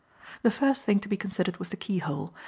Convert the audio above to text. The first thing to be considered was the keyhole.